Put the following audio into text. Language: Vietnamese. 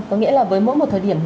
chúng ta sẽ phải chống dịch